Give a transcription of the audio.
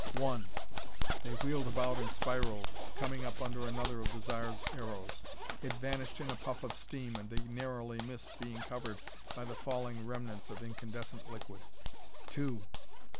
One! They wheeled about and spiraled, coming up under another of the Zar's aeros. It vanished in a puff of steam and they narrowly missed being covered by the falling remnants of incandescent liquid. Two!